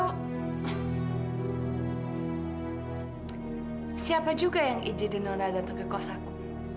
oh siapa juga yang iji di nona dateng ke kos aku